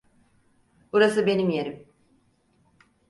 Burası benim yerim.